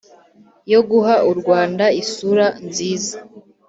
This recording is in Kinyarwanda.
yo guha u rwanda isura nziza